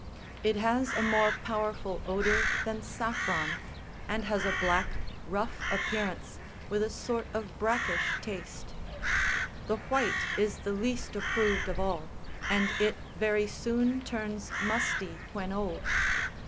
It has a more powerful odour than saffron, and has a black, rough appearance, with a sort of brackish taste. The white is the least approved of all, and it very soon turns musty when old.